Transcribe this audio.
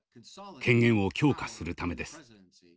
権限を強化するためです。